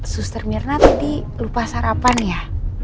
suster mirna tadi lupa sarapan ya